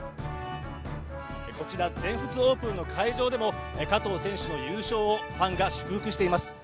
こちら、全仏オープンの会場でも加藤選手の優勝をファンが祝福しています。